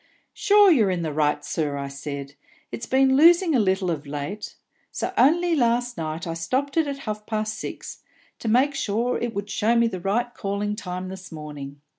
'Sure, you're in the right, sir,' said I; 'it's been losing a little of late; so only last night I stopped it at half past six, to make sure it would show me the right calling time this morning.'